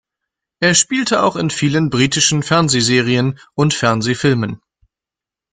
Er spielte auch in vielen britischen Fernsehserien und Fernsehfilmen.